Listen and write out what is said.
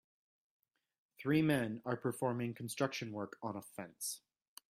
Three men are performing construction work on a fence